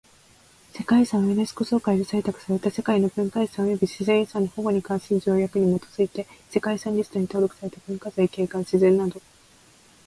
世界遺産はユネスコ総会で採択された世界の文化遺産及び自然遺産の保護に関する条約に基づいて世界遺産リストに登録された文化財、景観、自然など。